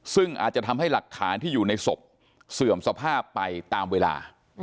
ซึ่งอาจจะทำให้หลักฐานที่อยู่ในศพเสื่อมสภาพไปตามเวลา